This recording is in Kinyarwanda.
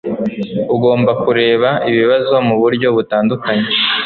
Ugomba kureba ikibazo muburyo butandukanye